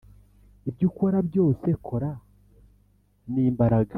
ibyo ukora byose, kora n'imbaraga